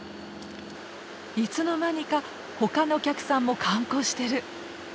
いつの間にか他のお客さんも観光してる。